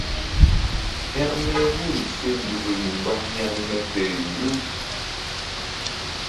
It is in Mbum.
Hekme hul se nzukri mba hekme feri riw.